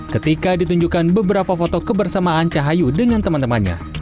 ketika ditunjukkan beberapa foto kebersamaan cahayu dengan teman temannya